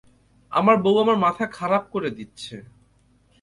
আমার বউ আমার মাথা খারাপ করে দিচ্ছে।